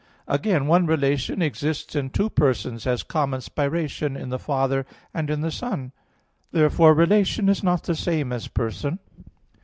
Again, one relation exists in two person, as common spiration in the Father and in the Son. Therefore relation is not the same as person.